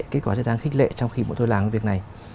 kết quả rất là đáng khích lệ trong khi bọn tôi làm việc này